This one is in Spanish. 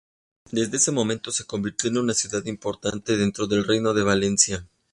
Desde ese momento, se convirtió en una ciudad importante dentro del Reino de Valencia.